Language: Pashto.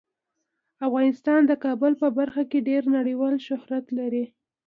افغانستان د کابل په برخه کې ډیر نړیوال شهرت لري.